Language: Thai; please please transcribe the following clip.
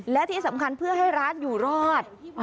และที่สำคัญเพื่อให้ร้านอยู่รอด